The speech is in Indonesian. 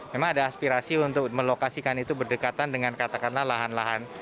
memang ada aspirasi untuk melokasikan itu berdekatan dengan katakanlah lahan lahan